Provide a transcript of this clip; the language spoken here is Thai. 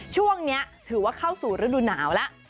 ช่วงนี้ถือว่าเข้าสู่ฤดูหนาวแล้ว